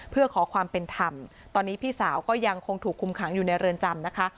เพื่อขอความเป็นธรรมตอนนี้พี่สาวก็ยังคงถูกคุมขังอยู่ในเรือนจำนะคะ